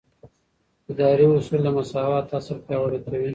اداري اصول د مساوات اصل پیاوړی کوي.